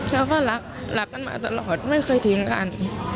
เขาก็รักรักกันมาตลอดไม่เคยทิ้งกัน